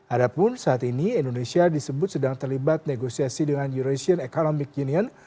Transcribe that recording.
adapun saat ini indonesia disebut sedang terlibat negosiasi dengan euration economic union